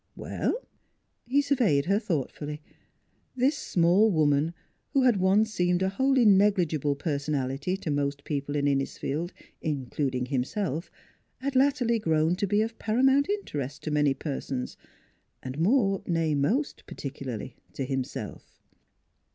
"Well?" He surveyed her thoughtfully. This small woman, who had once seemed a wholly negligible personality to most people in Innisfield, including himself, had latterly grown to be of paramount interest to many persons, and more nay, most particularly to himself.